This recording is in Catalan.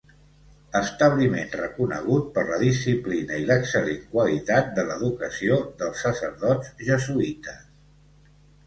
Establiment reconegut per la disciplina i l'excel·lent qualitat de l'educació dels sacerdots jesuïtes.